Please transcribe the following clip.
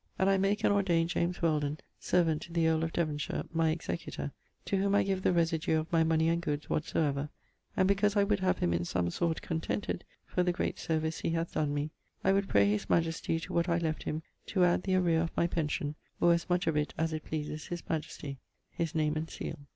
And I make and ordaine James Wheldon, servant to the earle of Devonshire, my executor, to whom I give the residue of my money and goods whatsoever; and because I would have him in some sort contented for the great service he hath done me, I would pray his majestie to what I left him to add the arreare of my pension, or as much of it as it pleases his majestie. (His name and seale.)